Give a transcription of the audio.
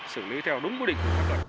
xử lý theo đúng quy định